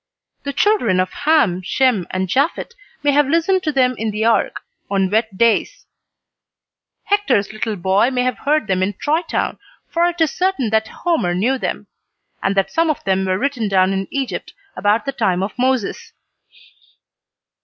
The children of Ham, Shem and Japhet may have listened to them in the Ark, on wet days. Hector's little boy may have heard them in Troy Town, for it is certain that Homer knew them, and that some of them were written down in Egypt about the time of Moses.